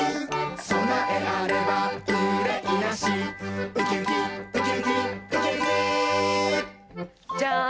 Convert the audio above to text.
「そなえあればうれいなし」「ウキウキウキウキウキウキ」じゃん！